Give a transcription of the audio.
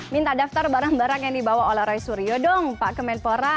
minta daftar barang barang yang dibawa oleh roy suryo dong pak kemenpora